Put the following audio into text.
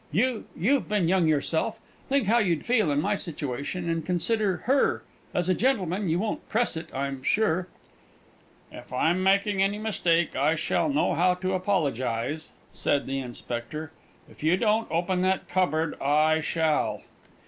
You you've been young yourself.... Think how you'd feel in my situation ... and consider her! As a gentleman, you won't press it, I'm sure!" "If I'm making any mistake, I shall know how to apologise," said the Inspector. "If you don't open that cupboard, I shall."